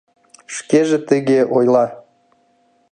— Шкеже тыге ойла.